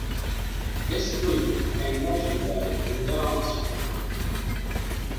This group became legendary in the dance world.